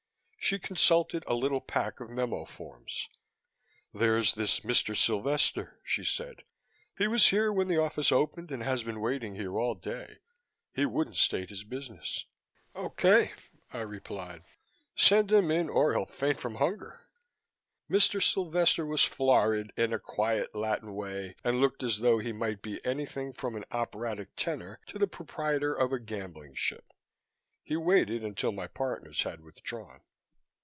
She consulted a little pack of memo forms. "There's this Mr. Sylvester," she said. "He was here when the office opened and has been waiting here all day. He wouldn't state his business." "Okay," I replied. "Send him in or he'll faint from hunger." Mr. Sylvester was florid in a quiet Latin way and looked as though he might be anything from an operatic tenor to the proprietor of a gambling ship. He waited until my partners had withdrawn.